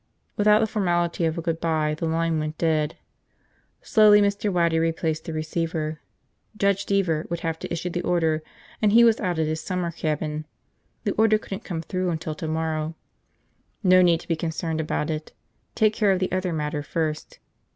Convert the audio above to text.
Without the formality of a good by, the line went dead. Slowly Mr. Waddy replaced the receiver. Judge Deever would have to issue the order and he was out at his summer cabin. The order couldn't come through until tomorrow. No need to be concerned about it. Take care of the other matter first.